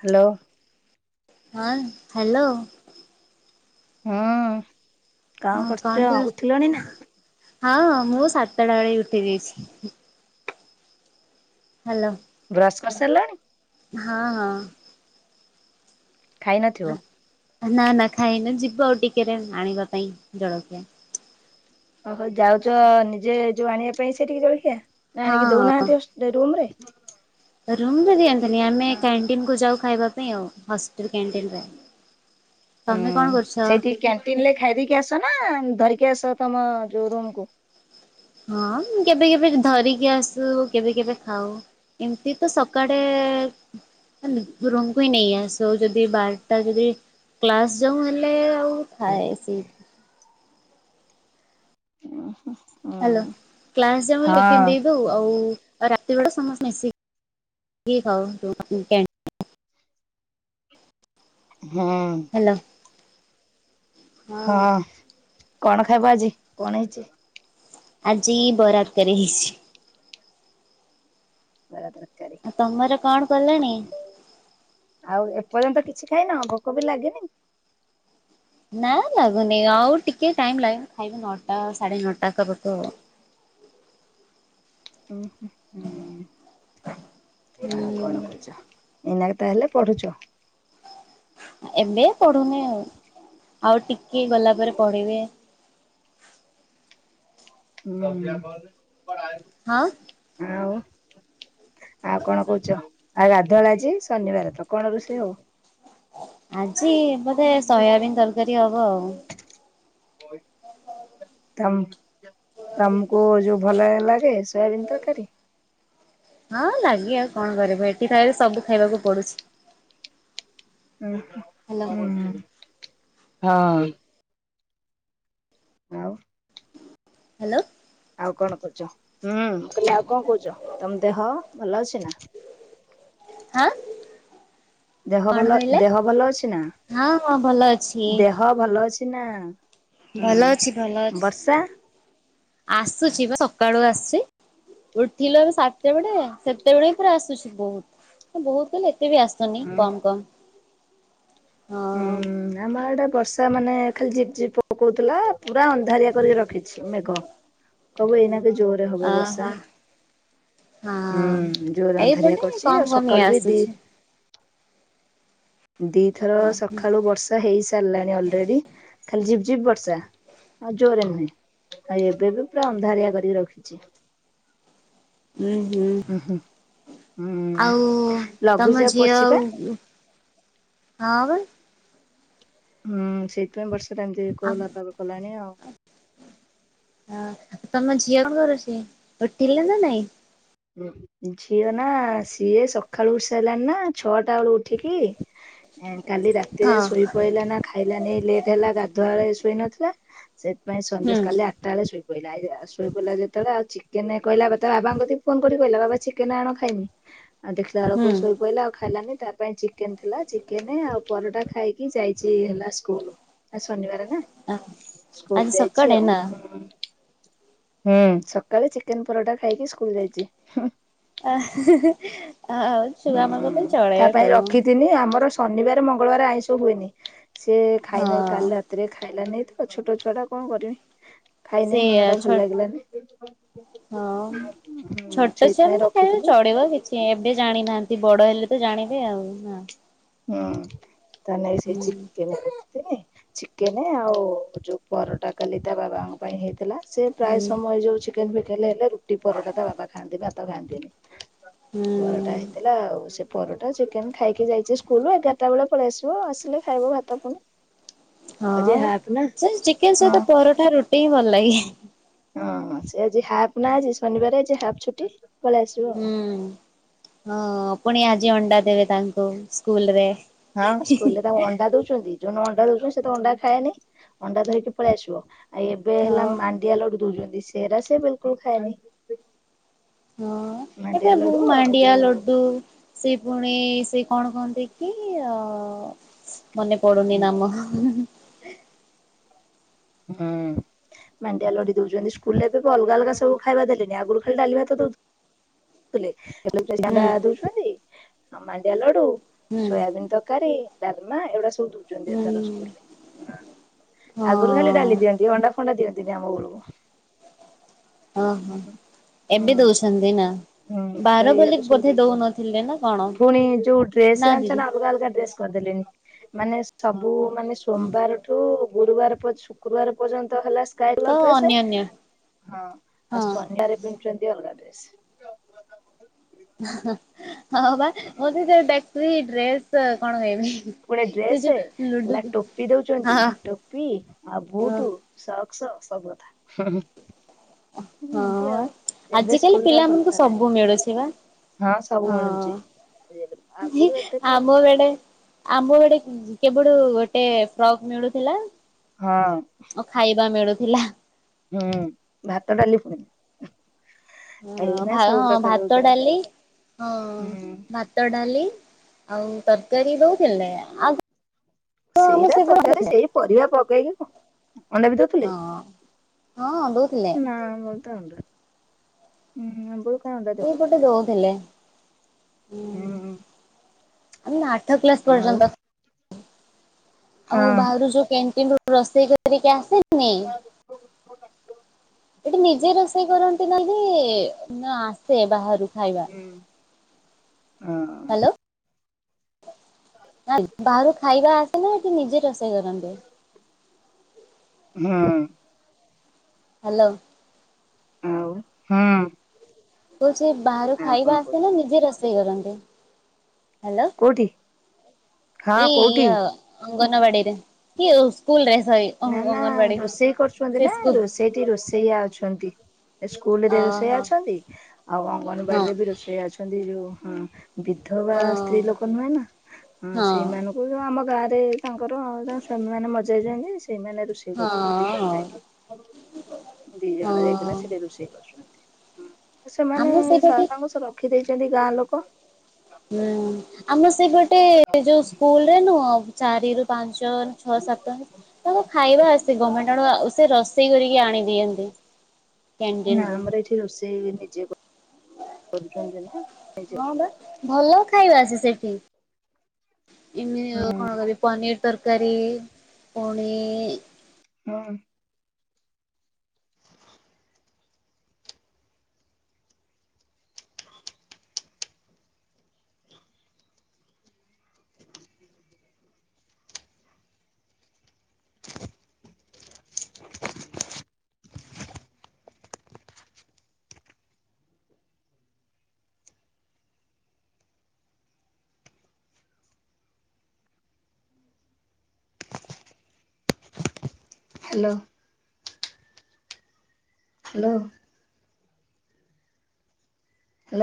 Hello. ହଁ hello. ହଁ। ହଁ କଣ କର ନା? ହଁ ମୁଁ ସାତଟା ବେଳେ ଉଠି ଯାଇଛି। ହ୍ୟାଲୋ। ବ୍ରସ୍ କରିସାରିଲାଣି? ହଁ ହଁ। ଖାଇ ନଥିବ? ଅହ ନା ନା ଖାଇନୁ ଯିବ ଆଉ ଟିକେରେ ଆଣିବା ପାଇଁ ଜଳଖିଆ। ଓହୋ ଯାଉଛ ନିଜେ ଯୋଉ ଆଣିବା ପାଇଁ ସେଟିକି ଚଳଖିଆ ନା ଆଣିକି ହଁ ଦଉନାହାନ୍ତି ହସ ରୁମ ରେ? ରୁମରେ ଦିଅନ୍ତନି ଆମେ ଓହୋ। କ୍ୟାଣ୍ଟିନକୁୁ ଯାଉ ଖାଇବା ପାଇଁ ଆଉ ହଷ୍ଟେଲ କ୍ୟାଣ୍ଟିନରେ ହୁଁ ତମେ କଣ କରୁଛ? ସେଇଠିକି କ୍ୟାଣ୍ଟିନ ରେ ଖାଇଦେଇକି ଆସ ନା ଧରିକି ଆସ ତମ ଯୋଉ ରୁମକୁୁ? ହଁ କେବେ କେବେ ଧରିକି ଆସୁ କେବେ କେବେ ଖାଉ। ଏମତି ତ ସକାଳେ ରୁମକୁ ହିଁ ନେଇ ଆସୁ ଯଦି ବାରଟା ଯଦି କ୍ଲାସ ଯୋଉ ହେଲେ ଆଉ ଥାଏ ସେଇ ଓହୋ। ହ୍ୟାଲୋ, କ୍ଲାସ୍ ଯାଉ ପିନ୍ଧି ଦେବୁ ଆଉ ଆଉ ରାତିବେଳା ସମସ୍ତେ ମିଶିକି ଖାଉ [unintelligible] ହୁଁ। ହ୍ୟାଲୋ। ହଁ କଣ ଖାଇବ ଆଜି, କଣ ହେଇଛି? ଆଜି ବରା ତକାରି ହେଇଛି। ବରା ତରକାରୀ! ଆଉ ତମର କଣ କଲଣି? ଆଉ ଏପର୍ଯ୍ୟନ୍ତ କିଛି ଖାଇନ, ଭୋକ ବି ଲାଗିନି? ନାଁ ଲାଗୁନି ଆଉ ଟିକେ ଟାଇମ ଲା ଖାଇବି ନଅଟା ସାଢେ ନଅଟା ପାଖା ପାଖି। ଉଁ ହୁଁ ହୁଁ ଆଉ କଣ ହୁଁ କରୁଛ? ଏଇନାକେ ତାହେଲେ ପଢୁଛ? ଏବେ ପଢୁନି ଆଉ ଆଉ ଟିକେ ଗଲା ପରେ ପଢିବେ ହୁଁ। ହଁ! ଆଉ? ଆଉ କଣ କହୁଛ ଆଉ ଗାଧୁଳା ଆଜି ଶନିବାରେ ତ କଣ ରୋଷେଇ ହବ? ଆଜି ବୋଧେ ସୋୟାବିିନ ତରକାରୀ ହବ ଆଉ। [inaudible] ତମ ତମକୁ ଯୋଉ ଭଲ [unintelligible] ଲାଗେ ସୋୟାବିିନ ତରକାରୀ? ହଁ ଲାଗେ ଆଉ କଣ କରିବି ଏଠି ଖାଇବା ସବୁ ଖାଇବାକୁ ପଡୁଛି। ଉଁ ହ୍ୟାଲୋ ହୁଁ ହୁଁ ହଁ। ଆଉ? ହ୍ୟାଲୋ। ଆଉ କଣ କହୁଛ ହୁଁ ମୁଁ କହିଲି ଆଉ କଣ କହୁଛ ତମ ଦେହ ଭଲ ଅଛି ନା? ହାଁ? ଦେହ ଭଲ, ଦେହ ଭଲ ଅଛି ନା, ହଁ ହଁ ଭଲ ଅଛି ଦେହ ଭଲ ଅଛି ନା? ଭଲ ହୁଁ ଅଛି ଭଲ ବର୍ଷା ଅଛି ଆସୁଛି ବା ସକାଳୁ ଆସୁଛି। ଉଠିଲୁ ଏବେ ସାତଟା ବେଳେ ସେତେବେଳେ ପୁରା ଆସୁଛି ବହୁତ ବହୁତ କଲେ ଏତେ ବି ଆସ ସୁନି ଉଁ କମ୍ କମ୍ ହଁ। ହୁଁ ଆମ ଆଡ଼େ ବର୍ଷା ମାନେ ଖାଲି ଝିପ୍ ଝିପ୍ ପକଉଥିଲା ପୁରା ଅନ୍ଧାରିଆ କରିକି ରଖିଛି ମେଘ ସବୁ ଏଇନାକେ ହେବ ଜୋରରେ ବର୍ଷା। ଓହୋ ହଁ ହୁଁ ଯୋରେ ଅନ୍ଧାରିଆ ଏଇପଟେ କରିଛି କମ ଆଉ କମ ଇଏ ସକାଳୁ ବି ଦି ଆସୁଛି। ଦିଥର ସଖାଳୁ ବର୍ଷା ହେଇ ସାରିଲାଣି ଅଲରେଡି ଖାଲି ଝିପ୍ ଝିପ୍ ବର୍ଷା। ଆଉ ଜୋରେ ନୁହେଁ ଆଉ ଏବେ ବି ପୁରା ଅନ୍ଧାରିଆ କରିକି ରଖିଛି। ହୁଁ ହୁଁ। ଉଁ ହୁଁ ହୁଁ ଆଉ ତମ ଲଘୁଚାପ ଝିଅ ପଡିଛି ପା ଆଉ ହଁ ବା ହୁଁ ସେଇଥିପାଇଁ ବର୍ଷଟା ଏମିତି ଆଉ କୋହଲା ପାଗ କଲାଣି ଆଉ। ହଁ ତମ ଝିଅ କଣ କରୁଚି, ଉଠିଲେ ନା ନାଇଁ? ହୁଁ। ଝିଅ ନା ସିଏ ସଖାଳୁ ଉଠି ସାରିଲାଣି ନା ଛଅଟା ବେଳୁ ଉଠିକି ଏଁ କାଲି ରାତିରେ ହଁ ଶୋଇପଇଲା ନା ଖାଇଲାନି ଲେଟ୍ ହେଲା ଗାଧୁଆଳେ ଶୋଇ ନଥିଲା ସେଥିପାଇଁ ସନ୍ଦେସ ହୁଁ କାଲି ଆଠଟା ବେଳେ ଶୋଇ ପଡ଼ିଲା, ଆଉ ଶୋଇ ପଡ଼ିଲା ଯେତବେଳେ ଆଉ ଚିକେନ କହିଲା କଥା ବାବାଙ୍କ କତିକି ଫୋନ କରି କହିଲା ବାବା ଚିକେନ ଆଣ ଖାଇନି ଆଉ ଦେଖିଲା ବେଳକୁ ହୁଁ ଶୋଇ ପଇଲା ଆଉ ଖାଇଲାନି ତା ପାଇଁ ଚିକେନ ଥିଲା ଚିକେନ ଆଉ ପରଟା ଖାଇକି ଯାଇଛି ହେଲା ସ୍କୁଲ ଆଜି ଶନିବାର ନା ଆଜି ସ୍କୁଲ ଯାଇଛି ସକାଳେ ଆଉ। ନା ହୁଁ ସକାଳେ ଚିକେନ ପରଟା ଖାଇକି ସ୍କୁଲ ଯାଇଛି। ଆ ହେ ହେ ଆଉ ହଁ ଛୁଆମାନଙ୍କ ପାଇଁ ଚଳେ ତା ପାଇଁ ସବୁ। ରଖିଥିନି ଆମର ଶନିବାରେ ମଙ୍ଗଳବାରେ ଆଇଁଷ ହୁଏନି, ସିଏ ଖାଇନେ ହଁ କାଲି ରାତିରେ ଖାଇଲାନି ତ ଆଉ ଛୋଟ ଛୁଆ ଟା କଣ କରିବି ଖାଇନି ସେଇଆ ମନ ଟା ଛ ଭଲ ଲାଗିଲାନି। ହଁ ହୁଁ ଛୋଟ ଛୁଆ ସେଇଥିପାଇଁ ମାନେ ଖାଇଁନି ରଖିଥିଲି। ଚଳିବ କିଛି ସେ ଏବେ ଜାଣିନାହାନ୍ତି ବଡ ହେଲେ ତ ଜାଣିବେ ଆଉ ନା। ହୁଁ ତାନେ ସେଇ ଚିକେନ ଚିକେନ ଆଉ ଯୋଉ ପରଟା କାଲି ତା ବାବାଙ୍କ ପାଇଁ ହେଇଥିଲା ସେ ହୁଁ ପ୍ରାୟ ସମୟ ଯୋଉ ଚିକେନ ବିକେନ୍ ହେଲେ ରୁଟି ପରଟା ତା ବାବା ଖାଆନ୍ତି ଭାତ ଖାଆନ୍ତିନି। ହୁଁ। ପରଟା ହେଇଥିଲା ଆଉ ସେ ପରଟା ଚିକେନ ଖାଇକି ଯାଇଛି ସୁ କୁଲୁ ଏଗାରଟ ବେଳେ ପଳେଇ ଆସିବ ଆସିଲେ ଖାଇବ ଭାତ ପୁଣି। ହଁ ଆଜି ହାପ ନା ସେ ଚିକେନ ହଁ ସହିତ ପରଟା ରୁଟି ହିଁ ଭଲ ଲାଗେ। ହଁ ସେ ଆଜି ହାଫ ନା ଆଜି ଶନିବାର ଆଜି ହାଫ୍ ଛୁଟି ପଳେଇ ଆସିବ ହୁଁ। ଆଉ। ହଁ ପୁଣି ଆଜି ଅଣ୍ଡା ଦେବେ ତାଙ୍କୁ ସ୍କୁଲ ରେ। ହଁ ସ୍କୁଲରେ ତାଙ୍କୁ ଅଣ୍ଡା ଦଉଛନ୍ତି। ଯୋଉ ଦିନ ଅଣ୍ଡା ଦଉଛନ୍ତି ସେ ତ ଅଣ୍ଡା ଖାଏନି ଅଣ୍ଡା ଧରିକି ପଳେଇ ଆସିବ। ଆଉ ଏବେ ହେଲା ହଁ। ମାଣ୍ଡିଆ ଲଡୁ ଦଉଛନ୍ତି ସେରା ସେ ବିଲକୁଲ ଖାଏନି। ହଁ ମାଣ୍ଡିଆ ଏବେ ବହୁ ଲଡୁ ଆଉ ମାଣ୍ଡିଆ ଯୋଉ ଲଡୁ ସେ ପୁଣି ସେ କଣ କଣ ଦେଇକି ଅ ମନେ ପଡୁନି ନାମ ହୁଁ ହୁଁ। ହୁଁ ମାଣ୍ଡିଆ ଲଡୁ ଦଉଛନ୍ତି ସ୍କୁଲରେ ଏବେ ଅଲଗା ଅଲଗା ସବୁ ଖାଇବା ଦେଲେଣି ଆଗରୁ ଖାଲି ଡାଲି ଭାତ ଦଉ ଥିଲେ ଏବେ ସିଯା ହୁଁ ଅଣ୍ଡା ଦଉଛନ୍ତି, ମାଣ୍ଡିଆ ଲଡୁ, ସୋୟାବିନ୍ ତରକାରୀ। ଡାଲମା ଏଗୁଡା ସବୁ ଦଉଛନ୍ତି ହୁଁ ଏଥର ସ୍କୁଲ ରେ। ହଁ ଆଗରୁ ଖାଲି ହଁ ଡାଲି ଦିଅନ୍ତି ଅଣ୍ଡା ଫଣ୍ଡା ଦିଅନ୍ତିନି ଆମ ବଳକୁ। ଓହୋ ଏବେ ହୁଁ। ଦଉଛନ୍ତି ନା। ହୁଁ ଏବେ ବାର ଏ ବୋଲି ଯାକ ସବୁ ବୋଧେ ଦଉନଥିଲେ ନା କଣ ଦଉଛନ୍ତି ପୁଣି ଯୋଉ ଡ୍ରେସ ନା ଦିଦି ଜାଣିଚନା ଅଲଗା ଅଲଗା ଡ୍ରେସ କରିଦେଲେଣି, ମାନେ ସବୁ ମାନେ ସୋମବାର ଠୁ ଗୁରୁବାର ପ ଶୁକ୍ରବାର ପର୍ଯ୍ୟନ୍ତ ହେଲା ତ କାଯୁୟାଲ ଡ୍ରେସ ଅନ୍ୟାନ୍ୟ ହଁ ଆଉ ହଁ ଶନିବାରେ ପିନ୍ଧୁଛନ୍ତି ଅଲଗା ଡ୍ରେସ। ହଁ ହଁ ବା ମୁଁ ବି ସେଇ ଦେଖୁଥିଲି ଡ୍ରେସ ପୁଳେ ଡ୍ରେସ ଲୁଡୁ ହେଲା ଟୋପି ଦଉଛନ୍ତି ହଁ ଟୋପି ଆଉ ହଁ ବୁଟ ସକ୍ସ ସବୁ କଥା। ଏମତି ହଁ ଆଉ, ଏବେ ଆଜିକାଲି ସ୍କୁଲ ଟା ପିଲାମାନଙ୍କୁ ଭଲ ସବୁ ହେଲାଣି। ମିଳୁଛି ବା। ହଁ ସବୁ ହଁ, ମିଳୁଛି। ହେ ଆଗରୁ ଏତେ ମିଳେ ଆମ ବେଳେ ଆମ ବେଡେ କେବଠୁ ଗୋଟେ ଫ୍ରକ୍ ମିଳୁଥିଲା। ହଁ। ଓ ଖାଇବା ମିଳୁଥିଲା। ହୁଁ ଭାତ ଡାଲି ପୁଣି ଏଇନା ହଁ ସବୁ ହଁ ପ୍ରକାର ଭାତ ଦଉଛନ୍ତି ଡାଲି ଖାଇବା। ହଁ ଭା ହୁଁ ଭାତ ଡାଲି ଆଉ ତରକାରୀ ଦଉଥିଲେ ଆ ସେଇରା ତରକାରୀ ସେଇ ପରିବା ପକେଇକି କ ଅଣ୍ଡା ବି ଦଉଥିଲେ ହଁ। ହଁ ଦଉଥିଲେ ନା ଁ ଆ [unintelligible] ଏଇପଟେ ଦଉଥିଲେ। ହୁଁ ଆମ ଆଠ କ୍ଲାସ ଆଉ ପର୍ଯ୍ୟନ୍ତ। ଆଉ ହଁ ବାହାରୁ ଯୋଉ କ୍ୟାଣ୍ଟିନ ରୁ ରୋଷେଇ କରିକି ଆସେନି, ଏଠି ନିଜେ ରୋଷେଇ କରନ୍ତି ନାହିଁ ନା ଆସେ ବାହାରୁ ଖାଇବା? ହୁଁ ହଁ। ହ୍ୟାଲୋ। ନାଇ ବାହାରୁ ଖାଇବା ଆସେ ନା ଏଠି ନିଜେ ରୋଷେଇ କରନ୍ତି। ହୁଁ। ହ୍ୟାଲୋ। ଆଉ ହୁଁ। କହୁଛି ବାହାରୁ ଆଉ କଣ ଖାଇବା ଆସେ କହୁଛ ନା ନିଜେ ରୋଷେଇ କରନ୍ତି? ହ୍ୟାଲୋ କୋଉଠି? ହଁ ଏଇ କୋଉଠି? ଇଅ ଅଙ୍ଗନବାଡ଼ିରେ କିଓ ସ୍କୁଲରେ ସରି। ନା ନା ଅଙ୍ଗନବାଡି କହୁଛି। ରୋଷେଇ କରୁଛନ୍ତି ସେ ନା ସ୍କୁଲ ରୋଷେଇଟି ରୋଷେଇଆ ଅଛନ୍ତି। ସ୍କୁଲରେ ରୋଷେଇଆ ଓହୋ ଅଛନ୍ତି ଆଉ ହଁ ଅଙ୍ଗନବାଡିରେ ବି ରୋଷେଆ ଅଛନ୍ତି ଯୋଉ ହଁ ବି ବିଧବା ହଁ ସ୍ତ୍ରୀ ଲୋକ ନୁହେଁ ନା ହଁ ସେଇମାନ ଉ ଜୁ ଆମ ଗାଁରେ ତାଙ୍କର ତାଙ୍କ ସ୍ଵାମୀ ମାନେ ମରିଜାଇଛନ୍ତି ସେଇମାନେ ରୋଷେଇ କରୁଛନ୍ତି ଦି ଜଣ ହଁ ଯାଇକି ଦି ଜଣ ଯାଇକି ହଁ ନା ସେଠି ରୋଷେଇ କରୁଛନ୍ତି। ସେମାନେ ଆମ ଶା ସେଇପଟେ ତାଙ୍କୁ ସେ ରଖି ଦେଇେଇଛନ୍ତି ଗାଁ ଲୋକ। ହୁଁ ଆମର ସେ ଗୋଟେ ଯୋଉ ସ୍କୁଲରେ ନୁହଁ ଆଉ ଚାରି ରୁ ପାଞ୍ଚ ଛଅ ସାତ ତାଙ୍କୁ ଖାଇବା ଆସେ ଗମେଣ୍ଟ ତେଣୁ ଆଉ ସେ ରୋଷେଇ କରିକି ଆଣି ଦିଅନ୍ତି। ନା କ୍ୟାଣ୍ଟିନରୁ। ଆମର ଏଠି ରୋଷେଇ ନିଜେ କରୁଛନ୍ତି ନା। ନିଜେ ହଁ କରୁଛନ୍ତି ବା ରୋଷେଇ। ଭଲ ଖାଇବା ଆସ ସେଠି ଇମିନୀ ହୁଁ କଣ କରିବି ପନିର୍ ତରକାରୀ ପୁଣି ହଁ। [inaudible] ହ୍ୟାଲୋ। ହ୍ୟାଲୋ। ହ୍ୟାଲୋ।